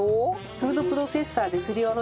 フードプロセッサーですりおろしてください。